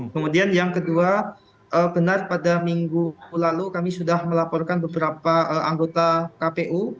kemudian yang kedua benar pada minggu lalu kami sudah melaporkan beberapa anggota kpu